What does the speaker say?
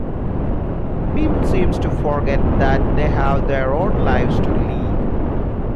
People seem to forget that they have their own lives to lead.